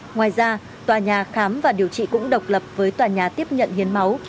ngoài ra tòa nhà khám và điều trị cũng độc lập với tòa nhà tiếp nhận hiến máu